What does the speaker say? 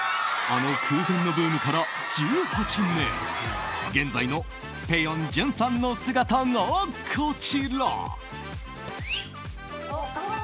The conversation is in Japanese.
あの空前のブームから１８年現在のぺよん潤さんの姿がこちら。